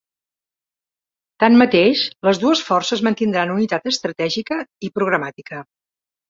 Tanmateix, les dues forces mantindran unitat estratègica i programàtica.